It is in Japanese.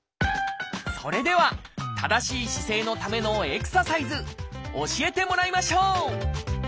それでは正しい姿勢のためのエクササイズ教えてもらいましょう！